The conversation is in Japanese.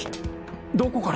どこから？